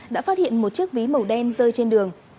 đã phát hiện một chiếc ví màu đen rơi trên đường